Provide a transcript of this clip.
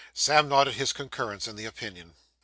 Sam nodded his concurrence in the opinion.